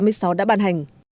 nghị định số tám mươi sáu đã bắt đầu